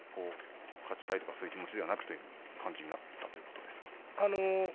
勝ちたいとかそういう気持ちではなくという感じになったということですか。